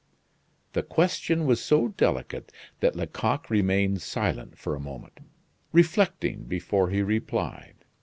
The question was so delicate that Lecoq remained silent for a moment, reflecting before he replied.